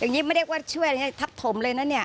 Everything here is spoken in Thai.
อย่างนี้ไม่เรียกว่าช่วยทับถมเลยนะนี่